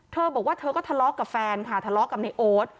เธอบอกว่าเธอก็ทะเลาะกับแฟนค่ะทะเลาะกับในโอ๊ต